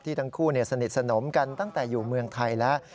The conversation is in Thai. ทั้งคู่สนิทสนมกันตั้งแต่อยู่เมืองไทยแล้ว